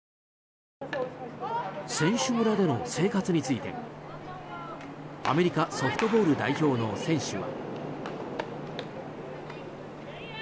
選手村での生活についてアメリカ・ソフトボール代表の選手は。